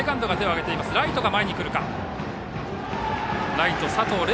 ライト、佐藤玲